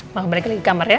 mau balik lagi ke kamarnya